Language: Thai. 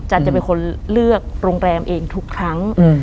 จะเป็นคนเลือกโรงแรมเองทุกครั้ง